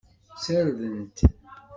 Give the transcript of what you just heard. Ssardent.